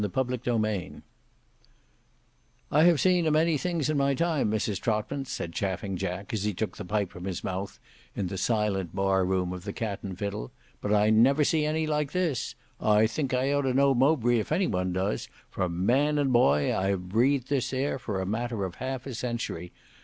Book 6 Chapter 3 "I have seen a many things in my time Mrs Trotman," said Chaffing Jack as he took the pipe from his mouth in the silent bar room of the Cat and Fiddle; "but I never see any like this. I think I ought to know Mowbray if any one does, for man and boy I have breathed this air for a matter of half a century.